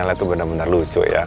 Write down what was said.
tapi naila tuh benar benar lucu ya